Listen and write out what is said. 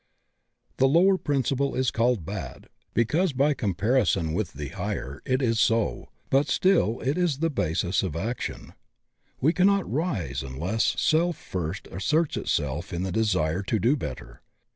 The lower principle is called bad because by compari son with the higher it is so, but still it is the basis of action. We cannot rise unless self first asserts itself in the desire to do better.